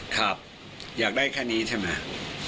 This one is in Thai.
ครับอยากได้แค่นี้ใช่ไหม